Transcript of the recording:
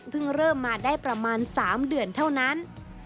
เริ่มมาได้ประมาณ๓เดือนเท่านั้น